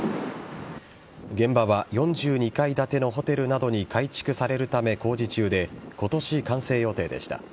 現場は４２階建てのホテルなどに改築されるため工事中で今年、完成予定でした。